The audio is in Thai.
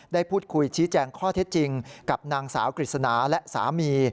ได้พูดคุยชี้แจงข้อเท็จจริงกับนางสาวกฤษณาและสามี